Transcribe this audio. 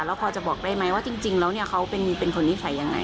เราพอจะบอกได้ไหมว่าจริงจริงแล้วเนี้ยเขาเป็นเป็นคนที่ถ่ายยังไง